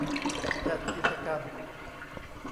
จัดกิจกรรม